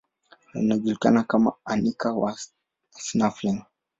Alijulikana kama Anica the Snuffling.